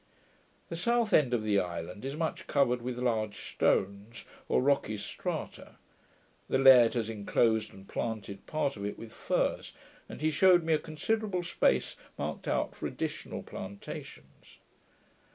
The south end of the island is much covered with large stones or rocky strata. The laird has enclosed and planted part of it with firs, and he shewed me a considerable space marked out for additional plantations.